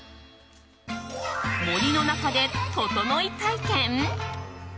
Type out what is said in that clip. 森の中で、ととのい体験？